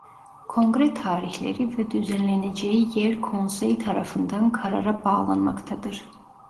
Kongre tarihleri ve düzenleneceği yer Konsey tarafından karara bağlanmaktadır.